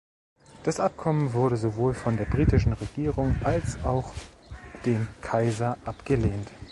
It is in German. Das Abkommen wurde sowohl von der britischen Regierung als auch dem Kaiser abgelehnt.